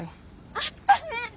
あったね！